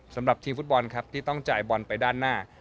สำหรับทีมฟุตบอลครับที่ต้องจ่ายบอลไปด้านหน้า